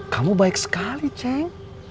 kamu baik sekali ceng